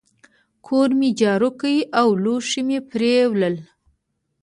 کور مي جارو کی او لوښي مي پرېولل.